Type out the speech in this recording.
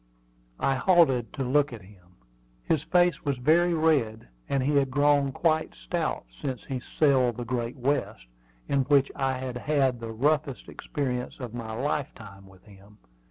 I halted to look at him. His face was very red, and he had grown quite stout since he sailed the Great West, in which I had had the roughest experience of my lifetime with him.